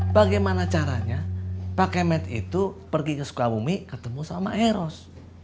bagaimana caranya pak kemet itu pergi ke sukabumi ketemu sama eros